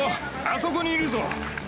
あそこにいるぞ。